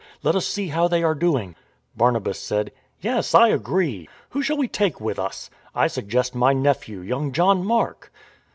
Let us see how they are doing." Barnabas said, " Yes, I agree. Who shall we take with us ? I suggest my nephew, young John Mark."